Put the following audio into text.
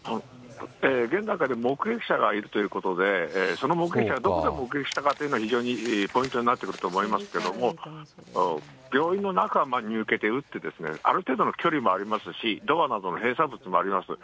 現段階で目撃者がいるということで、その目撃者がどこで目撃したかというのが非常にポイントになってくると思いますけど、病院の中に向けて撃ってですね、ある程度の距離もありますし、ドアなどの閉鎖物もあります。